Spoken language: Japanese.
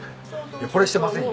これしてませんよ。